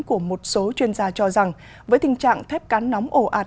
của một số chuyên gia cho rằng với tình trạng thép cán nóng ổ ạt